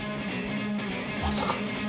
まさか。